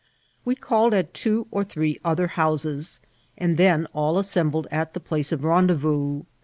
We called at two on three other houses, and then all assembled at the place of rendez vous.